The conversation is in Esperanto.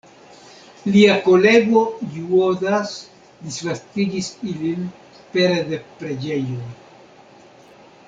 Lia kolego Juozas disvastigis ilin pere de preĝejoj.